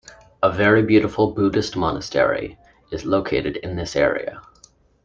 A very beautiful Buddhist monastery is located in this area.